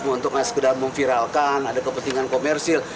untuk sekedar memviralkan ada kepentingan komersil